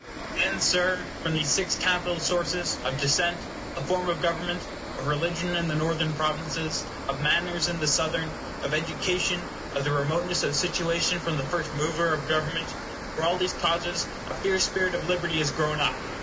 Then, Sir, from these six capital sources of descent, of form of government, of religion in the Northern Provinces, of manners in the Southern, of education, of the remoteness of situation from the first mover of government from all these causes a fierce spirit of liberty has grown up.